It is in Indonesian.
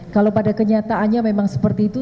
kalau pada kenyataannya memang seperti itu